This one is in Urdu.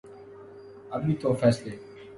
ابھی تو فیصلے